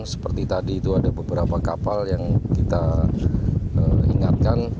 seperti tadi itu ada beberapa kapal yang kita ingatkan